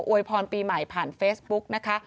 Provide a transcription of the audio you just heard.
วยพรปีใหม่ผ่านเฟซบุ๊กนะคะ